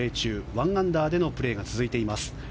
１アンダーでのプレーが続いています。